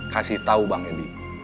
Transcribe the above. kasih tau bang hedi